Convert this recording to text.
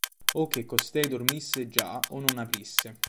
O che costei dormisse già o non aprisse.